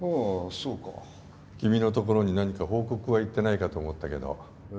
そうか君のところに何か報告はいってないかと思ったけどえ？